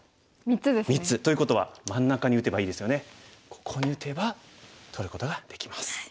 ここに打てば取ることができます。